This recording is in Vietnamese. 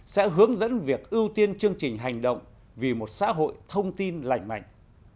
sẽ hướng dẫn việc ưu tiên chương trình hành động vì một xã hội thông tin lành mạnh